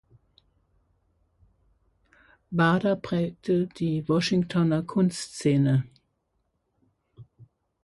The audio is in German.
Bader prägte die Washingtoner Kunstszene.